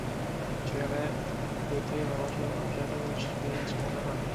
সেখানে তোর থেকে ভালোবাসা পাওয়ার আশা করাটা বেশি কিছু মনে হয়।